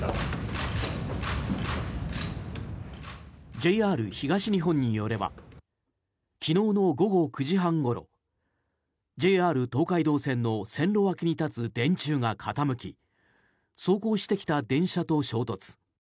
ＪＲ東日本によれば昨日の午後９時半ごろＪＲ東海道線の線路脇に立つ電柱が傾き走行してきた電車と衝突。